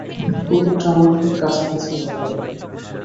কুকুরটা আমার খুব কাছাকাছি চলে এল।